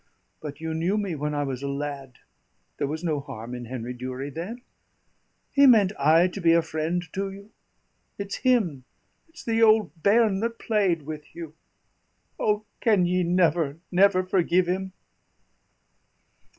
But you knew me when I was a lad; there was no harm in Henry Durie then; he meant aye to be a friend to you. It's him it's the old bairn that played with you O, can ye never, never forgive him?"